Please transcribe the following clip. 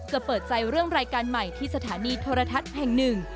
เปิดใจเรื่องรายการใหม่ที่สถานีโทรทัศน์แห่งหนึ่ง